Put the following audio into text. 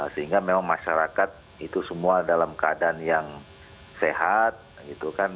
sehingga memang masyarakat itu semua dalam keadaan yang sehat gitu kan